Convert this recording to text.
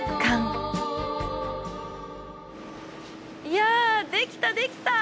いやできたできた！